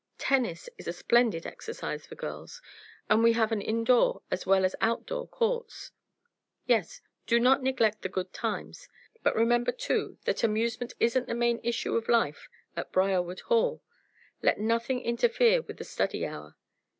Tennis is a splendid exercise for girls, and we have an indoor as well as outdoor courts. Yes, do not neglect the good times. But remember, too, that amusement isn't the main issue of life at Briarwood Hall. Let nothing interfere with the study hour.